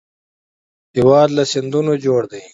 هېواد له سیندونو جوړ دی